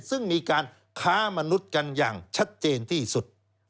ซึ่งมีการค้ามนุษย์กันอย่างชัดเจนที่สุด